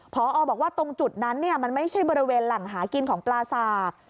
พอบอกว่าตรงจุดนั้นมันไม่ใช่บริเวณแหล่งหากินของปลาสาก